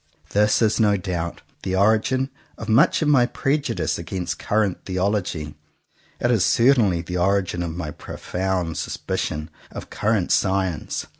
This is no doubt the origin of much of my prejudice against current theology. It is certainly the origin of my profound sus picion of current science.